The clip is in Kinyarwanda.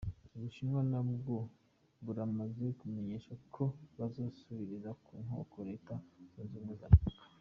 Ubushinwa nabwo buramaze kumenyesha ko buzosubiriza mu nkoko Leta zunze Ubumwe za Amerika.